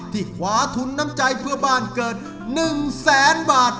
ขวาทุนน้ำใจเพื่อบ้านเกิด๑แสนบาท